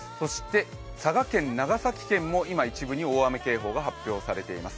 佐賀県、長崎県も今、一部に大雨警報が発表されています。